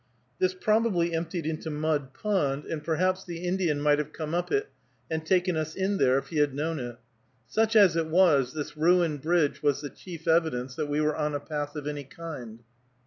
This probably emptied into Mud Pond, and perhaps the Indian might have come up it and taken us in there if he had known it. Such as it was, this ruined bridge was the chief evidence that we were on a path of any kind.